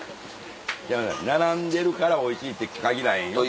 並んでるからおいしいって限らへんよって。